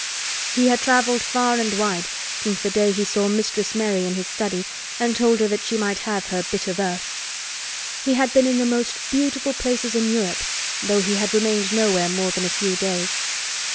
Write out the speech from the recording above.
He had traveled far and wide since the day he saw Mistress Mary in his study and told her she might have her "bit of earth." He had been in the most beautiful places in Europe, though he had remained nowhere more than a few days.